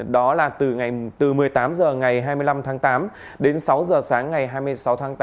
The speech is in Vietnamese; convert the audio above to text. đó là từ một mươi tám h ngày hai mươi năm tháng tám đến sáu h sáng ngày hai mươi sáu tháng tám